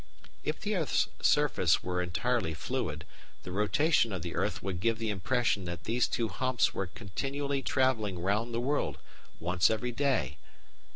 If the earth's surface were entirely fluid the rotation of the earth would give the impression that these two humps were continually travelling round the world, once every day.